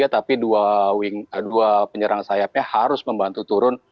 tapi dua penyerang sayapnya harus membantu turun